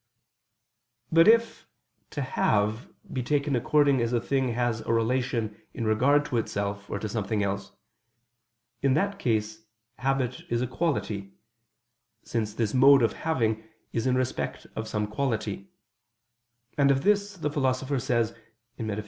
But if "to have" be taken according as a thing has a relation in regard to itself or to something else; in that case habit is a quality; since this mode of having is in respect of some quality: and of this the Philosopher says (Metaph.